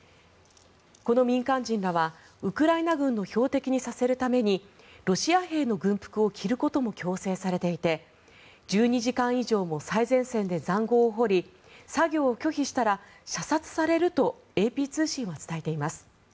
この民間人らはウクライナ軍の標的にさせるためにロシア兵の軍服を着ることも強制されていて１２時間以上も最前線で塹壕を掘り作業を拒否したら射殺されるとＡＰ通信は伝えています。